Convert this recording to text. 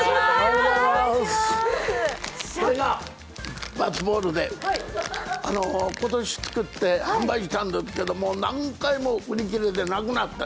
これがバスボールで、今年作って販売したんですけど、何回も売り切れでなくなった。